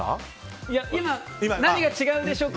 何が違うんでしょう